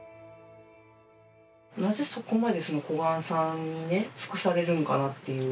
なぜそこまで小雁さんにね尽くされるんかなっていう。